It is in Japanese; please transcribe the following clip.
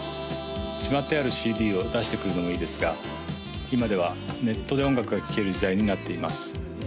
しまってあるＣＤを出してくるのもいいですが今ではネットで音楽が聴ける時代になっています